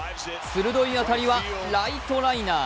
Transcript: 鋭い当たりはライトライナー。